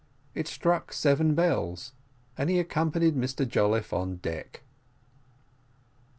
It struck seven bells, and he accompanied Mr Jolliffe on deck.